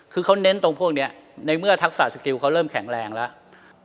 คือเขาเน้นตรงพวกนี้ในเมื่อทักษะสกิลเขาเริ่มแข็งแรงแล้ว